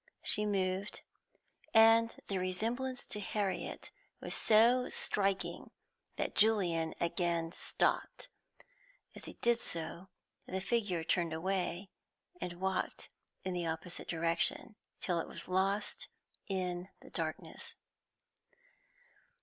She moved, and the resemblance to Harriet was so striking that Julian again stopped. As he did so, the figure turned away, and walked in the opposite direction, till it was lost in the darkness.